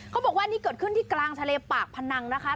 บอกว่านี่เกิดขึ้นที่กลางทะเลปากพนังนะคะ